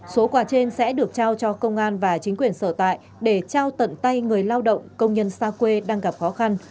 số quà trên sẽ được trao cho công an và chính quyền sở tại để trao tận tay người lao động công nhân xa quê đang gặp khó khăn